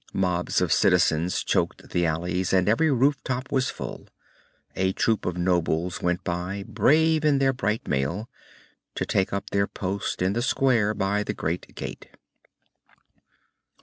Mobs of citizens choked the alleys, and every rooftop was full. A troop of nobles went by, brave in their bright mail, to take up their post in the square by the great gate.